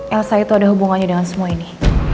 elsa itu ada hubungannya dengan semua ini